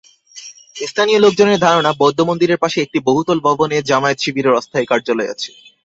স্থানীয় লোকজনের ধারণা, বৌদ্ধমন্দিরের পাশে একটি বহুতল ভবনে জামায়াত-শিবিরের অস্থায়ী কার্যালয় আছে।